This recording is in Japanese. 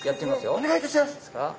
お願いいたします。